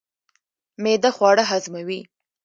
معده خواړه هضموي